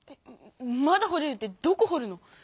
「まだほれる」ってどこほるの？